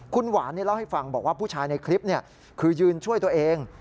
คุณหวานเล่าให้ฟังบอกว่าผู้ชายในคลิปคือยืนช่วยตัวเอง